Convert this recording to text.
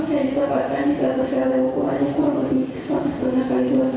saya ditempatkan di seratus kali ukuran yang kurang lebih